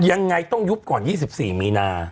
ยังไงต้องยุบก่อน๒๔มีนา